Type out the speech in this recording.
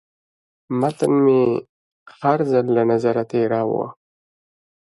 متن مې هر ځل له نظره تېراوه.